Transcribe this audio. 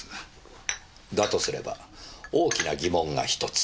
だとすれば大きな疑問が１つ。